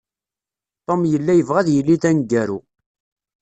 Tom yella yebɣa ad yili d aneggaru.